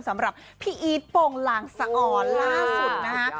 สำหรับพี่อีทโปรงลางสะออนล่าสุดนะฮะ